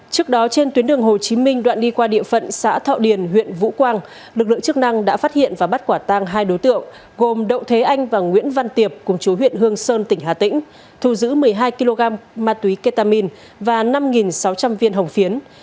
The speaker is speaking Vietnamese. trước đó trên tuyến đường hồ chí minh đoạn đi qua địa phận xã thọ điền huyện vũ quang lực lượng chức năng đã phát hiện và bắt quả tang hai đối tượng gồm đậu thế anh và nguyễn văn tiệp cùng chú huyện hương sơn tỉnh hà tĩnh thu giữ một mươi hai kg ma túy ketamine và năm sáu trăm linh viên hồng phiến